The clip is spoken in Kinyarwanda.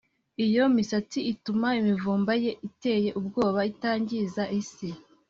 iyo misatsi ituma imivumba ye iteye ubwoba itangiza isi.